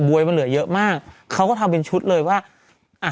วยมันเหลือเยอะมากเขาก็ทำเป็นชุดเลยว่าอ่ะ